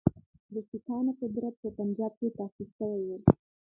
د سیکهانو قدرت په پنجاب کې تاسیس شوی وو.